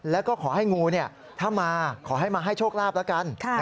แล้วก็ขอให้งูถ้ามาขอให้มาให้โชคลาภแล้วกัน